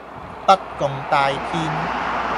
不共戴天